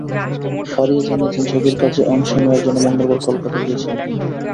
ফারিয়া জানিয়েছেন, ছবির কাজে অংশ নেওয়ার জন্য মঙ্গলবার কলকাতায় গিয়েছিলেন তিনি।